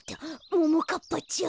ももかっぱちゃん。